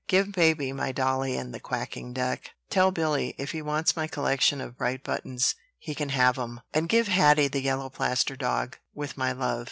Give baby my dolly and the quacking duck. Tell Billy, if he wants my collection of bright buttons, he can have 'em; and give Hattie the yellow plaster dog, with my love."